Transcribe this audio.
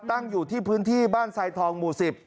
ตั้งอยู่ที่พื้นที่บ้านทรายทองหมู่๑๐